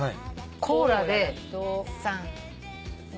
コーラで。